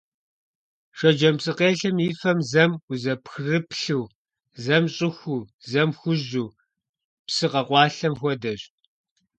Шэджэм псыкъелъэм и фэм зэм узэпхрыплъу, зэм щӀыхуу, зэм хужьу, псы къэкъуэлъам хуэдэщ.